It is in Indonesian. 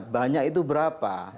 banyak itu berapa